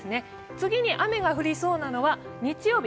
次に雨が降りそうなのは日曜日。